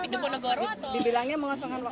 dibilangnya mengosongkan waktu